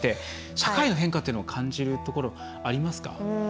社会の変化というのを感じるところありますか？